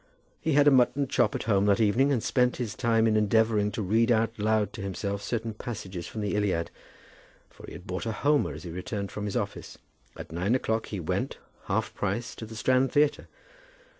He had a mutton chop at home that evening, and spent his time in endeavouring to read out loud to himself certain passages from the Iliad; for he had bought a Homer as he returned from his office. At nine o'clock he went, half price, to the Strand Theatre.